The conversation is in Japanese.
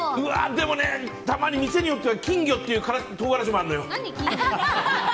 でも、たまに店によっては金魚っていう唐辛子もあるのよ。